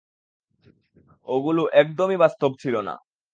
ওগুলো একদম-ই বাস্তব ছিল না।